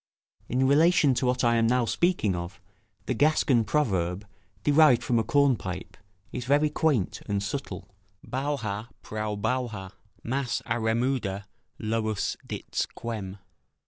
In relation to what I am now speaking of, the Gascon proverb, derived from a cornpipe, is very quaint and subtle: "Bouha prou bouha, mas a remuda lous dits quem."